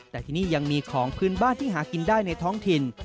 แต่ที่นี่ยังมีของพื้นบ้านที่หากินได้ในท้องถิ่น